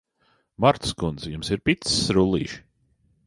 Martas kundze, jums ir picas rullīši?